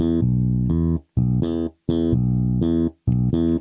aku mau ngelakuin